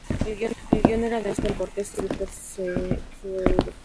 El guion era de Ángel Cortese y Víctor Sueiro.